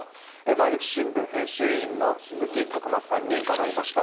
毎日新聞編集委員の鈴木琢磨さんに伺いました。